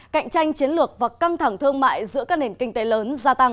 cạnh tranh chiến lược và căng thẳng thương mại giữa các nền kinh tế lớn gia tăng